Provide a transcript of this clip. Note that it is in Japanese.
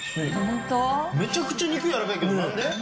めちゃくちゃ肉やわらかいけどなんで？